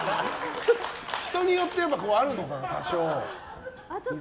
人によってあるのかな、多少。